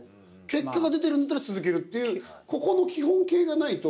結果が出てるんだったら続けるっていうここの基本形がないと。